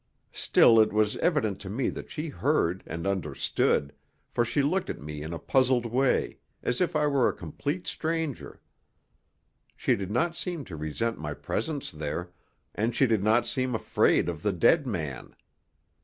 Still it was evident to me that she heard and understood, for she looked at me in a puzzled way, as if I were a complete stranger. She did not seem to resent my presence there, and she did not seem afraid of the dead man.